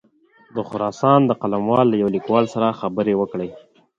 د خراسان د قلموال له یوه لیکوال سره خبرې وکړې.